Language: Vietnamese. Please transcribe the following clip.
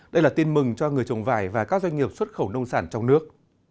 đây là tin mừng cho người trồng vải và các doanh nghiệp xuất khẩu nông sản trong nước